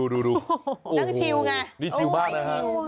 ดูนั่งชิวไงนี่ชิลมากนะฮะ